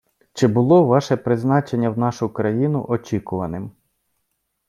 Чи було ваше призначення в нашу країну очікуваним?